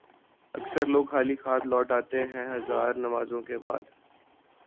اکثر لوگ خالی ہاتھ لوٹ آتے ہیں ہزار نمازوں کے بعد